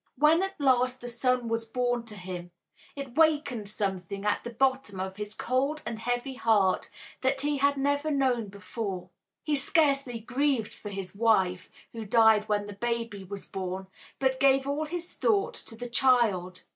When at last a son was born to him it wakened something at the bottom of his cold and heavy heart that he had never known before. He scarcely grieved for his wife, who died when the baby was born, but gave all his thought to the child.